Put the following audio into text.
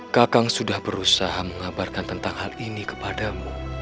kakang sudah berusaha mengabarkan tentang hal ini kepadamu